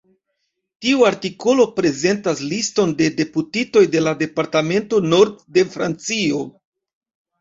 Tiu artikolo prezentas liston de deputitoj de la departemento Nord de Francio.